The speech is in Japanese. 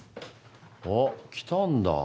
おっ来たんだ？